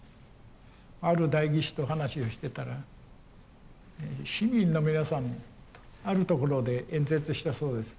ある代議士と話をしてたら市民の皆さんにあるところで演説したそうです。